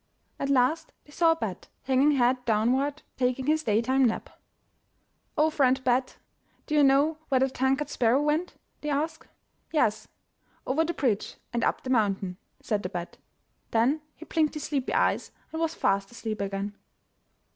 At last they saw a bat, hanging head downward, taking his day time nap. "O, friend Bat, do you know where the tongue cut sparrow went?'* they asked. "Yes. Over the bridge and up the mountain," said the bat. Then he blinked his sleepy eyes and was fast asleep again.